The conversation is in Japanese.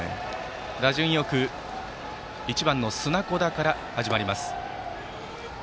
打順よく１番の砂子田から始まります。